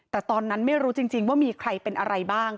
แต่ตอนนั้นไม่รู้จริงว่ามีใครเป็นอะไรบ้าง